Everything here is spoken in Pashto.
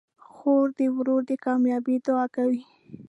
خور د ورور د کامیابۍ دعا کوي.